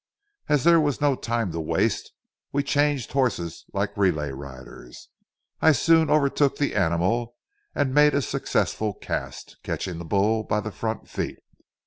As there was no time to waste, we changed horses like relay riders. I soon overtook the animal and made a successful cast, catching the bull by the front feet.